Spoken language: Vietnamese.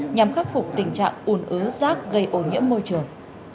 nhằm khắc phục tình trạng ủn ứ rác gây ô nhiễm môi trường